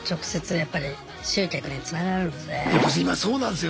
やっぱ今そうなんすよ。